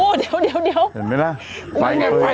โหตีตอบดูทีนี้ไหวโหเท่านี้โหเท่านี้กลัวที่หาย